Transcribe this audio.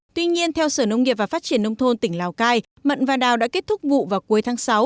tuy nhiên theo sở nông nghiệp và phát triển nông thôn tỉnh lào cai mận và đào đã kết thúc vụ vào cuối tháng sáu